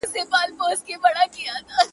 جغ پر غاړه، او جغ غواړه.